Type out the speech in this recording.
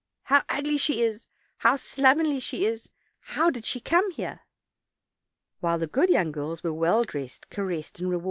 how ugly she is; how slovenly she is; how did she come here?" while the good young girla were well dressed* caressed, and re* OLD, OLD FAIRT TALES.